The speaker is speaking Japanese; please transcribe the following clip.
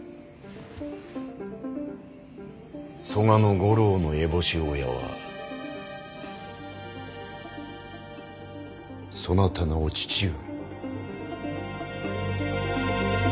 曽我五郎の烏帽子親はそなたのお父上。